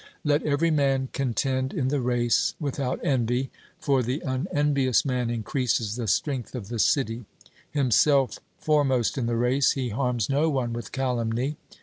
Let every man contend in the race without envy; for the unenvious man increases the strength of the city; himself foremost in the race, he harms no one with calumny.